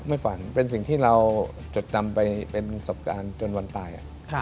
ฝันเป็นสิ่งที่เราจดจำไปเป็นสบการณ์จนวันตาย